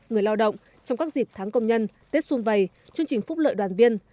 người lao động trong các dịp tháng công nhân tết xuân vầy chương trình phúc lợi đoàn viên